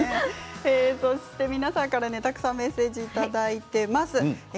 皆さんから、たくさんメッセージいただいています。